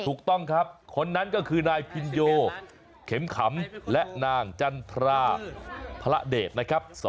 ถูกต้องครับคนนั้นก็คือนายพินโยเข็มขำและนางจันทราพระเดชนะครับ